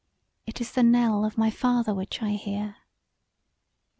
It is the knell of my father which I hear."